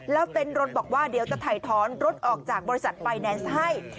แล้วเต้นรถบอกว่าเดี๋ยวจะถ่ายท้อนรถออกจากบริษัทไฟแนนซ์ให้